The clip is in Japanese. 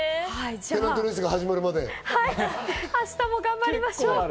じゃあ明日も頑張りましょう。